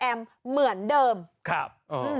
แอมเหมือนเดิมครับอ๋อ